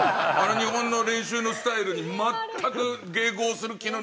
日本の練習のスタイルに全く迎合する気のない人が。